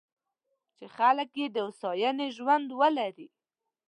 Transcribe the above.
چې خلک یې د هوساینې ژوند ولري.